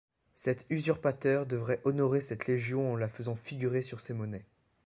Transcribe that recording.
Cet usurpateur devait honorer cette légion en la faisant figurer sur ses monnaies.